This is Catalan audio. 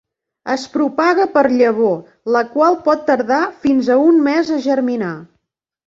Es propaga per llavor la qual pot tardar fins a un mes a germinar.